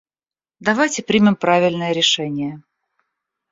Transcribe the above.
Давайте примем правильное решение.